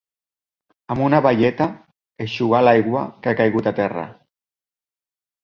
Amb una baieta, eixugar l'aigua que ha caigut a terra.